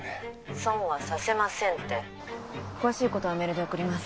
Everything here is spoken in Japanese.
☎損はさせませんって詳しいことはメールで送ります